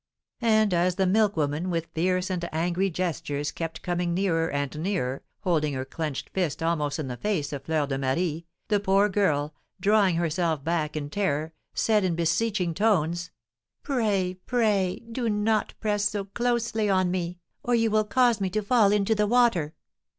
And as the milk woman, with fierce and angry gestures, kept coming nearer and nearer, holding her clenched fist almost in the face of Fleur de Marie, the poor girl, drawing herself back in terror, said, in beseeching tones: "Pray, pray, do not press so closely on me, or you will cause me to fall into the water."